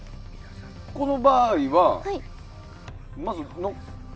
この場合は、まず。